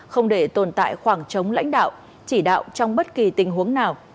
không để tồn tại khoảng trống lãnh đạo chỉ đạo trong bất kỳ tình huống nào